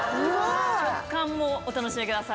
食感もお楽しみください。